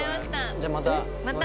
じゃあまた。